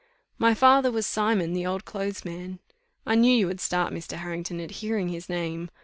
My father was Simon the old clothes man. I knew you would start, Mr. Harrington, at hearing his name.